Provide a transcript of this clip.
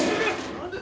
何で！？